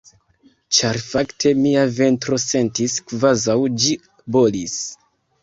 Ĉar fakte mia ventro sentis kvazaŭ ĝi bolis.